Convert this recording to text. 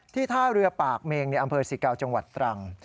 ท่าเรือปากเมงในอำเภอสิเกาจังหวัดตรัง